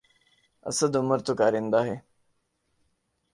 اسد عمر تو کارندہ ہے۔